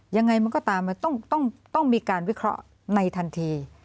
ยังไงมันก็ตามมันต้องมีการวิเคราะห์ในทันที